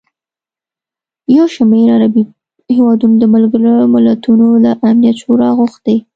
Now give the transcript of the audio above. یوشمېر عربي هېوادونو د ملګروملتونو له امنیت شورا غوښتي